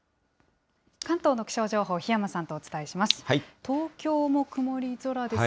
関東の気象情報、檜山さんとお伝えします。